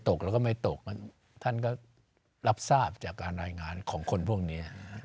ตกแล้วก็ไม่ตกท่านก็รับทราบจากการรายงานของคนพวกนี้